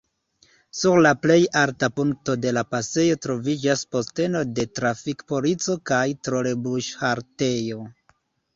Sur la plej alta punkto de la pasejo troviĝas posteno de trafik-polico kaj trolebus-haltejo.